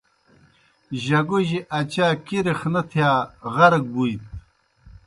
جگوجیْ اچا کِرخ نہ تِھیا غرق بُوِیت۔